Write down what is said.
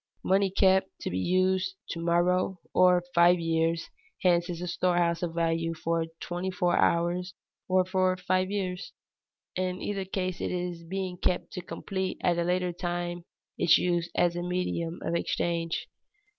Money kept to be used to morrow or five years hence is a storehouse of value for twenty four hours or for five years. In either case it is being kept to complete at a later time its use as a medium of exchange.